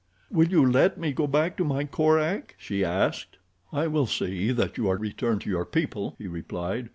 "Will you let me go back to my Korak?" she asked. "I will see that you are returned to your people," he replied.